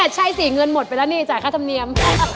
ใช่สิเงินหมดไปแล้วนี่จ่ายค่าธรรมเนียม